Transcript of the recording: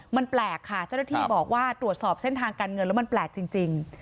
มันแปลกค่ะเจ้าหน้าที่บอกว่าตรวจสอบเส้นทางการเงินแล้วมันแปลกจริง